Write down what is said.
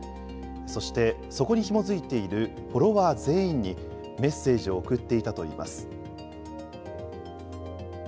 そして、そこにひも付いているフォロワー全員に、メッセージを送っていたといいます。